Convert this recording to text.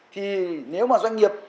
thì nếu mà doanh nghiệp